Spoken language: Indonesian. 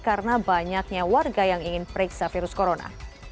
karena banyaknya warga yang ingin periksa virus corona